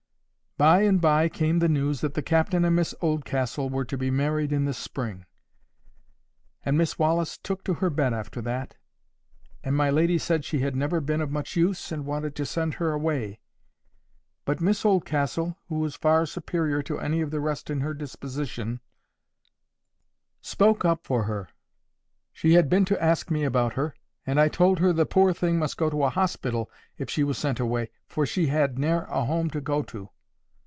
By and by came the news that the captain and Miss Oldcastle were to be married in the spring. And Miss Wallis took to her bed after that; and my lady said she had never been of much use, and wanted to send her away. But Miss Oldcastle, who was far superior to any of the rest in her disposition, spoke up for her. She had been to ask me about her, and I told her the poor thing must go to a hospital if she was sent away, for she had ne'er a home to go to.